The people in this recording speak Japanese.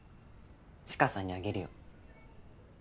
知花さんにあげるよ。